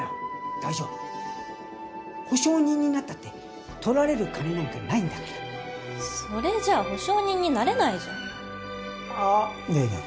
大丈夫保証人になったって取られる金なんかないんだからそれじゃ保証人になれないじゃんあっいやいや